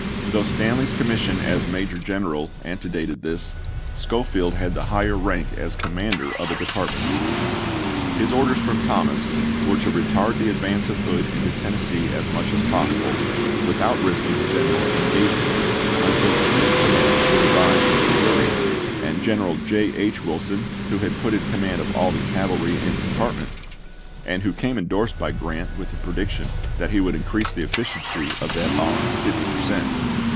Though Stanley's commission as major general antedated his, Schofield had the higher rank as commander of a department. His orders from Thomas were to retard the advance of Hood into Tennessee as much as possible, without risking a general engagement, until Smith's com mand should arrive from Missouri, and General J. H. Wilson, who had been put in command of all the cavalry in the department, — and who came indorsed by Grant with the prediction that he would increase the efficiency of that arm fifty per cent.